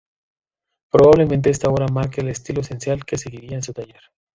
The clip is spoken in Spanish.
Probablemente esta obra marque el estilo esencial que seguiría su taller.